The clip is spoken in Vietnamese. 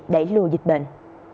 đẩy lùi dịch bệnh